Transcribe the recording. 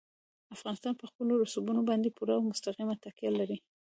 افغانستان په خپلو رسوبونو باندې پوره او مستقیمه تکیه لري.